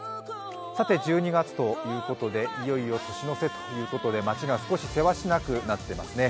１２月ということでいよいよ年の瀬ということで街が少しせわしなくなっていますね。